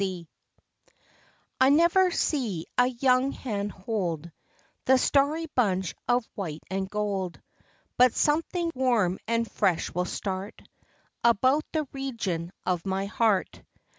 T NEVER see a young hand hold The starry bunch of white and gold, But something warm and fresh will start About the region of my heart.